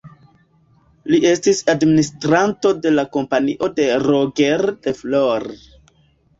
Li estis administranto de la Kompanio de Roger de Flor.